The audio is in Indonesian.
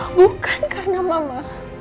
kalau bukan karena mama